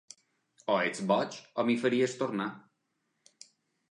O ets boig o m'hi faries tornar